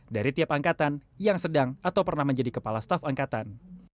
dari tiap angkatan yang sedang atau pernah menjadi kepala staf angkatan